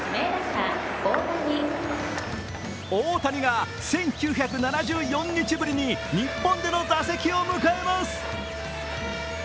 大谷が１９７４日ぶりに日本での打席を迎えます。